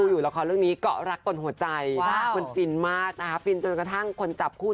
อย่างไรเขาแจวคือกันเยอะอยู่